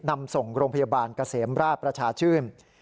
นำส่งโรงพยาบาลเกษมราชประชาชื่น